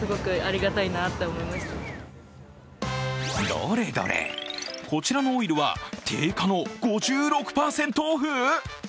どれどれ、こちらのオイルは定価の５６％オフ？